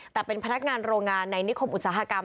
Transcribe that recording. แต่เป็นพนักงานโรงงานในนิคมอุตสาหกรรม